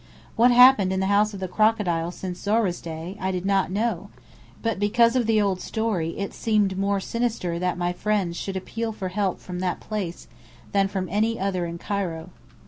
What had happened in the House of the Crocodile since Zohra's day, I did not know; but because of the old story it seemed more sinister that my friends should appeal for help from that place than from any other in Cairo.